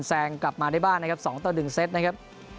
แซงกลับมาได้บ้านนะครับ๒ต่อ๑เซตนะครับ